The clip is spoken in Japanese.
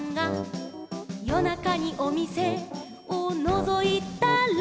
「よなかにおみせをのぞいたら」